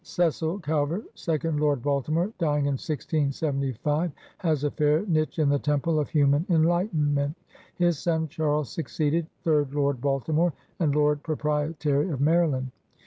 Cecil Calvert, second Lord Baltimore, dying in 1675, has a fair niche in the temple of human enlightenment. His son Charles succeeded, third Lord Baltimore and Lord Proprietary of Maryland.